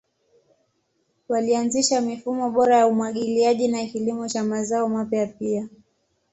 Walianzisha mifumo bora ya umwagiliaji na kilimo cha mazao mapya pia.